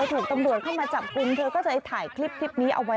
ถูกตำรวจเข้ามาจับกลุ่มเธอก็เลยถ่ายคลิปนี้เอาไว้